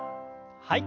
はい。